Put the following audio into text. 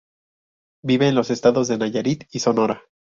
Vive en los Estados de Nayarit y Sonora.